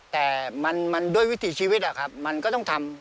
แต่มันด้วยวิถีชีวิตอะครับมันก็ต้องทำ